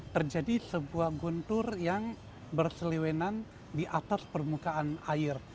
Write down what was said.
terjadi sebuah guntur yang berseliwenan di atas permukaan air